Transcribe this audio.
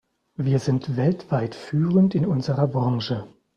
Wir sind weltweit führend in unserer Branche.